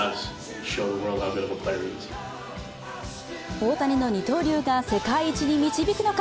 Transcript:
大谷の二刀流が世界一に導くのか。